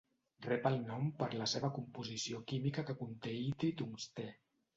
Rep el nom per la seva composició química que conté itri i tungstè.